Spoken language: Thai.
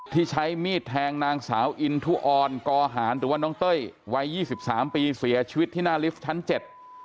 ที่ใช้มีดแทงนางสาวอินทุออนกอหารหรือว่าน้องเต้ยวัยยี่สิบสามปีเสียชีวิตที่หน้าลิฟท์ชั้นเจ็ด